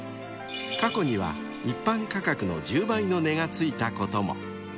［過去には一般価格の１０倍の値が付いたことも］